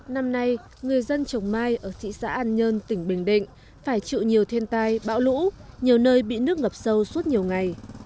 năm nay người dân trồng mai ở thị xã an nhơn tỉnh bình định phải chịu nhiều thiên tai bão lũ nhiều nơi bị nước ngập sâu suốt nhiều ngày